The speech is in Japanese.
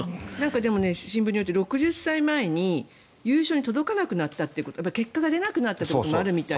でも、新聞によると６０歳前に優勝に届かなくなった結果が出なくなったところもあるみたい。